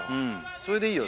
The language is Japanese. それでいいよ